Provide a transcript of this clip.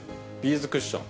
ビーズクッション。